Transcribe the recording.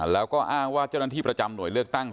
แล้วก็อ้างว่าเจ้าหน้าที่ประจำหน่วยเลือกตั้ง